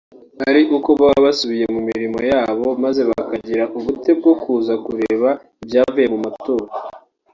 ari uko baba basubiye mu mirimo ya bo maze bakagira ubute bwo kuza kureba ibyavuye mu matora